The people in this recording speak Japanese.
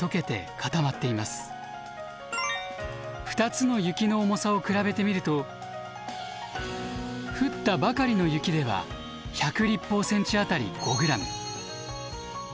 ２つの雪の重さを比べてみると降ったばかりの雪では１００立方センチ当たり５ｇ。